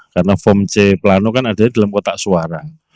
karena form cplano kan ada yang di kotak suara